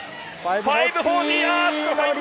５４０。